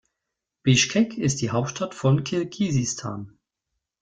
Bischkek ist die Hauptstadt von Kirgisistan.